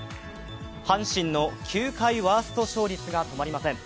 阪神の球界ワースト勝率が止まりません。